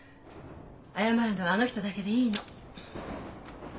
謝るのはあの人だけでいいの。